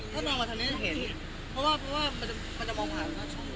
เพราะว่ามันจะมองผ่าน